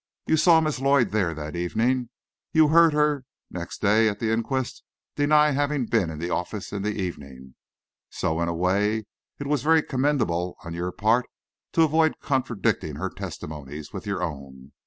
You saw Miss Lloyd there that evening, you heard her next day at the inquest deny having been in the office in the evening. So, in a way, it was very commendable on your part to avoid contradicting her testimonies, with your own.